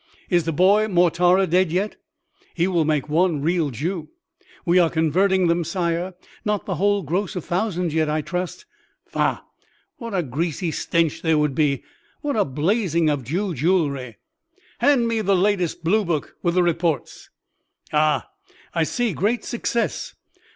Is the boy Mortara dead yet? He will make one real Jew." "We are converting them, sire." "Not the whole gross of thousands yet, I trust? Faugh! what a greasy stench there would be—what a blazing of Jew jewelry! "Hand me the latest bluebook, with the reports.... "Ah, I see; great success!